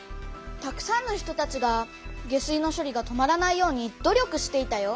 たくさんの人たちが下水のしょりが止まらないように努力していたよ。